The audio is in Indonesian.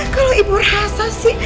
kalau ibu rasa sih